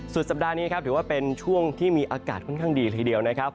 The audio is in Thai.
สุดสัปดาห์นี้ครับถือว่าเป็นช่วงที่มีอากาศค่อนข้างดีเลยทีเดียวนะครับ